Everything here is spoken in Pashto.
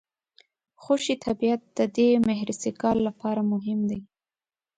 خوشي طبیعت د دې مهرسګال لپاره مهم دی.